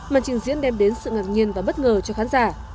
màn trình diễn đem đến sự ngạc nhiên và bất ngờ cho khán giả